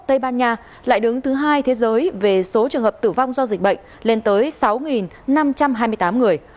tây ban nha lại đứng thứ hai thế giới về số trường hợp tử vong do dịch bệnh lên tới sáu năm trăm hai mươi tám người